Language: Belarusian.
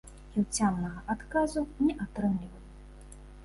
І ўцямнага адказу не атрымліваю.